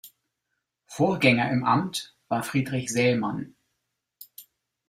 Vorgänger im Amt war Friedrich Sämann.